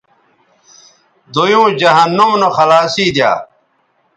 دویوں جہنم نو خلاصی دی یا